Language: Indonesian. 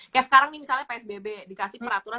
kayak sekarang nih misalnya psbb dikasih peraturan